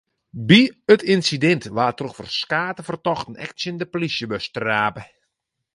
By it ynsidint waard troch ferskate fertochten ek tsjin de polysjebus trape.